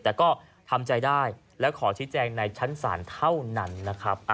แต่ก็ทำใจได้และขอชี้แจงในชั้นศาลเท่านั้นนะครับ